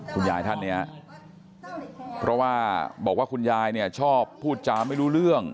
คุณยายท่านเนี่ยเพราะว่าบอกว่าคุณยายเนี่ยชอบพูดจาไม่รู้เรื่อง